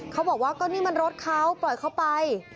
เขาบอกว่าก็นี่มันรถเขาปล่อยเขาไป